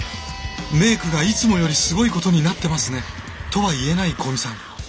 「メイクがいつもよりすごいことになってますね」とは言えない古見さん。